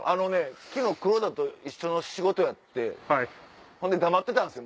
昨日黒田と一緒の仕事やって黙ってたんですよ